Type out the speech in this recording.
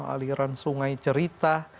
aliran sungai cerita